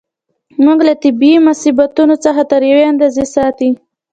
موږ له طبیعي مصیبتونو څخه تر یوې اندازې ساتي.